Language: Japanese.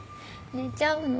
寝ちゃうの？